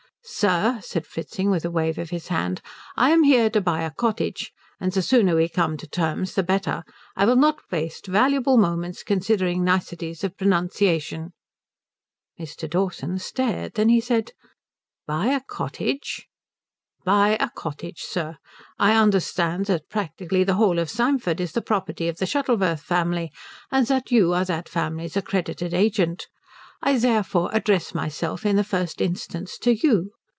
"Sir," said Fritzing, with a wave of his hand, "I am here to buy a cottage, and the sooner we come to terms the better. I will not waste valuable moments considering niceties of pronunciation." Mr. Dawson stared. Then he said, "Buy a cottage?" "Buy a cottage, sir. I understand that practically the whole of Symford is the property of the Shuttleworth family, and that you are that family's accredited agent. I therefore address myself in the first instance to you.